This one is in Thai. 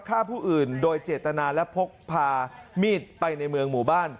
ฆ่าผู้อื่นโดยเจตนาและพกพามีดไปในเมืองหมู่บ้าน